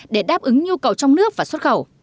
để đáp ứng nhu cầu trong nước và xuất khẩu